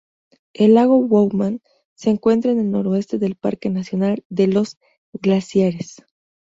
El lago Bowman se encuentra en el noroeste del Parque nacional de los Glaciares.